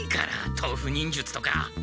豆腐忍術とか。